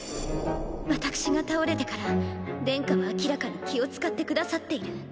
私が倒れてから殿下は明らかに気を遣ってくださっている。